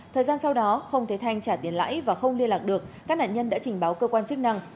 thời gian sau đó không thấy thanh trả tiền lãi và không liên lạc được các nạn nhân đã trình báo cơ quan chức năng